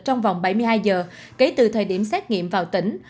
trong vòng bảy mươi hai giờ kể từ thời điểm xét nghiệm vào tỉnh